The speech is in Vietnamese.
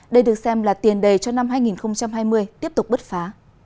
đây được xem là tiền đề cho năm hai nghìn hai mươi tiếp tục bứt phá